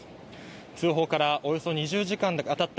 通報からおよそ２０時間がたった